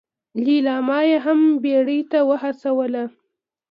ليلما يې هم بيړې ته وهڅوله.